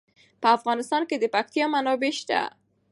په افغانستان کې د پکتیا منابع شته.